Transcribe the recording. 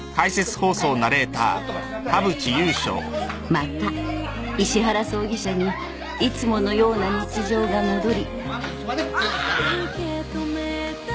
［また石原葬儀社にいつものような日常が戻り］